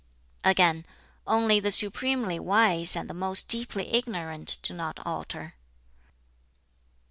Again, "Only the supremely wise and the most deeply ignorant do not alter."